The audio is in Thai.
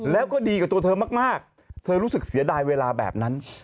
แล้วก็ดีกับตัวเธอมากเธอรู้สึกเสียดายเวลาแบบนั้น